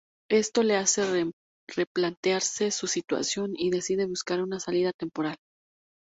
Esto le hace replantearse su situación y decide buscar una salida temporal.